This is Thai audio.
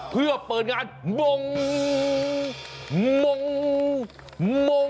เพื่อเปิดงานมงมงมง